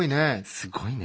すごいね。